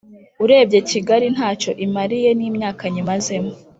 Urebye kigali ntacyo imariye nimyaka nyimazemo